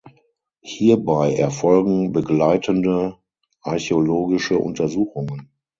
Hierbei erfolgen begleitende archäologische Untersuchungen.